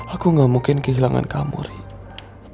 aku gak mungkin kehilangan kamu riri